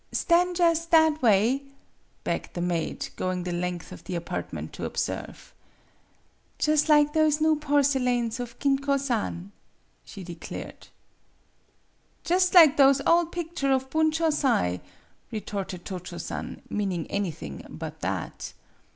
"Stan' jus' that way," begged the maid, going the length of the apartment to observe. "Jus' lig those new porcelains of Kinkozan !" she declared. "Jus" lig those ole picture of Bunchosai!" retorted Cho Cho San meaning anything but that.